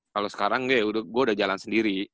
kalo sekarang gue udah jalan sendiri